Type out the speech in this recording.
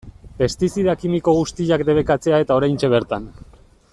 Pestizida kimiko guztiak debekatzea eta oraintxe bertan.